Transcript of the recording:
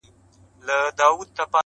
“ما چي د زاهد کیسه کول تاسي به نه منل؛